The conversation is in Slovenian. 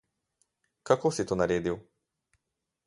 Kako si to naredil?